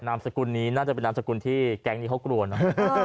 นามสกุลนี้น่าจะเป็นนามสกุลที่แก๊งนี้เขากลัวนะ